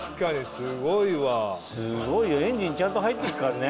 すごいよエンジンちゃんと入ってるからね。